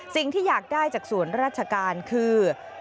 สิ่งที่อยากได้จากส่วนราชการคือ